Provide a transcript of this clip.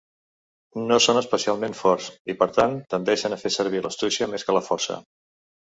No són especialment forts i, per tant, tendeixen a fer servir l'astúcia més que la força.